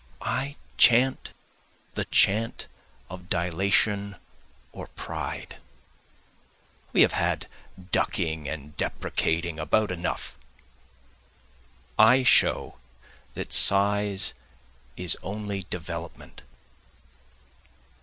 I chant the chant of dilation or pride, We have had ducking and deprecating about enough, I show that size is only development.